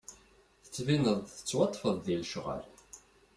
Tettbineḍ-d tettwaṭṭfeḍ di lecɣal.